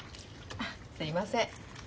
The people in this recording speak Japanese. すいません。